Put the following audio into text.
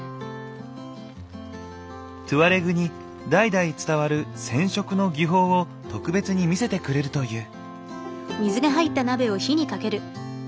トゥアレグに代々伝わる染色の技法を特別に見せてくれるという。